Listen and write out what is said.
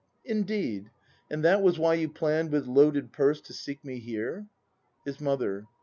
Indeed ? And that was why you plann'd With loaded purse to seek me here.? His Mother.